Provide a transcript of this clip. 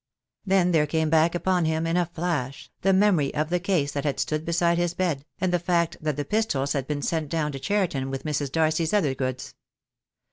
Then there came back upon him, in a flash, the memory of the case that had stood beside his bed, and the fact that the pistols had been sent down to Cheriton with Mrs. Darcy's other goods.